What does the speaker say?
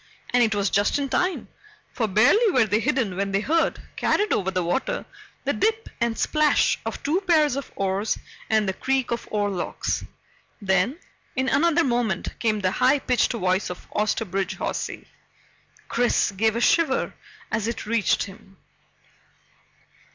And it was just in time, for barely were they hidden when they heard, carried over the water, the dip and splash of two pairs of oars and the creak of oarlocks. Then, in another moment, came the high pitched voice of Osterbridge Hawsey. Chris gave a shiver as it reached him.